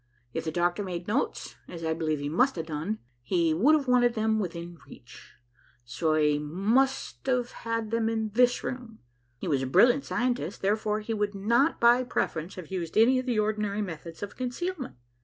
If the doctor made notes, as I believe he must have done, he would have wanted them within reach. So he must have had them in this room. He was a brilliant scientist, therefore he would not by preference have used any of the ordinary methods of concealment.